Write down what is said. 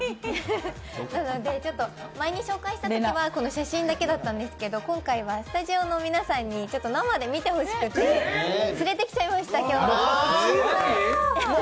前に紹介したときは写真だけだったんですけど、今回はスタジオの皆さんに生で見てほしくて、連れてきちゃいました、今日は。